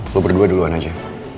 lo berdua duluan aja